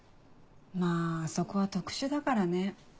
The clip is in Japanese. まぁあそこは特殊だからね。